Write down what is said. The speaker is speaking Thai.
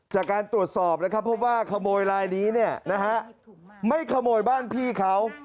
จากการตรวจสอบนะครับพบว่าขโมยลายนี้ไม่ขโมยบ้านพี่เขา